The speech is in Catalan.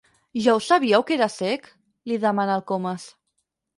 Ja ho sabíeu, que era cec? —li demana el Comas.